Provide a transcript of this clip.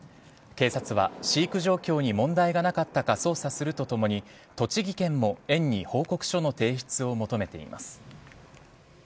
警察は、飼育状況に問題がなかったか捜査するとともに栃木県も園に報告書の提出を求めています。